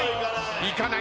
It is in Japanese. いかない。